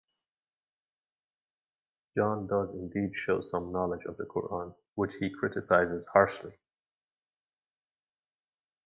John does indeed show some knowledge of the Quran, which he criticizes harshly.